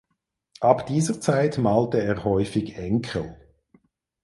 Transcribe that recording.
Ab dieser Zeit malte er häufig Enkel.